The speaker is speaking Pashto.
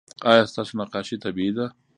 ایا ستاسو نقاشي طبیعي ده؟